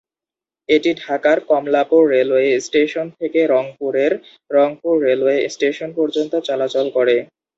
এটি ঢাকার Kamalapur railway station থেকে রংপুরের রংপুর রেলওয়ে স্টেশন পর্যন্ত চলাচল করে।